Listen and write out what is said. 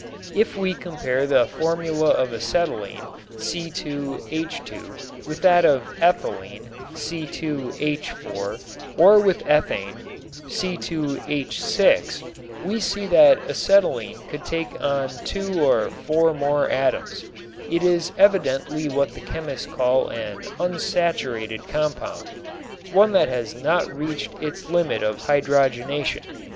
If we compare the formula of acetylene, C_H_ with that of ethylene, C_H_, or with ethane, C_H_, we see that acetylene could take on two or four more atoms. It is evidently what the chemists call an "unsaturated" compound, one that has not reached its limit of hydrogenation.